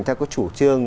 theo cái chủ trương